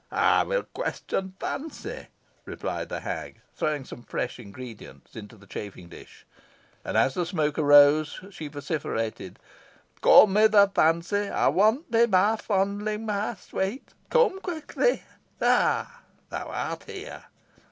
"I will question Fancy," replied the hag, throwing some fresh ingredients into the chafing dish; and, as the smoke arose, she vociferated, "Come hither, Fancy; I want thee, my fondling, my sweet. Come quickly! ha! thou art here."